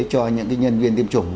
cho những cái nhân viên tiêm chủng